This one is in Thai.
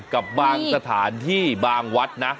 กับบางสถานที่บางวัดนะ